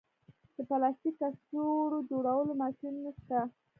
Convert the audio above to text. د پلاستیک کڅوړو جوړولو ماشینونه شته